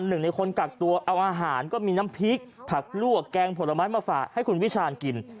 หนึ่งในคนกักตัวเอาอาหารก็มีน้ำพริกผักลวกแกงผลไม้มาฝากให้คุณวิชาญกิน